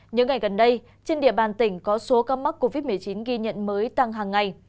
những ngày gần đây trên địa bàn tỉnh có số ca mắc covid một mươi chín ghi nhận mới tăng hàng ngày